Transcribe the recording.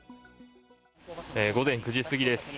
午前９時すぎです。